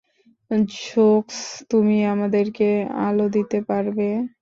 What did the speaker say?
সোকস, তুমি আমাদেরকে আলো দিতে পারবে?